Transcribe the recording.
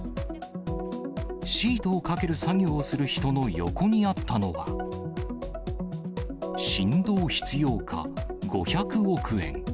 シートをかける作業をする人の横にあったのは、シン道必要か５００オク円。